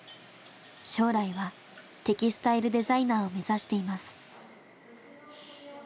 将来はテキスタイルデザイナーを目指しています。